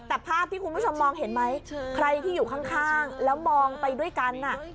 แต่ภาพที่คุณผู้ชมมองเห็นไหมใครที่อยู่ข้างแล้วมองไปด้วยกัน